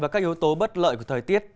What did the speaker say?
và các yếu tố bất lợi của thời tiết